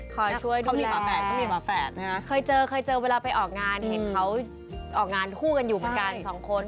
ก็มีฝาแฝดก็มีฝาแฝดนะฮะเคยเจอเคยเจอเวลาไปออกงานเห็นเขาออกงานคู่กันอยู่เหมือนกันสองคน